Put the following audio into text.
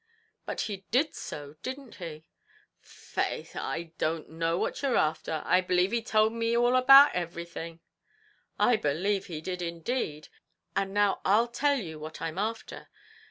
"But he did so; didn't he?" "Faix, but I don't know what you're afther; I b'lieve he towld me all about everything." "I believe he did indeed; and now I'll tell you what I'm after.